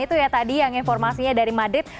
itu ya tadi yang informasinya dari madrid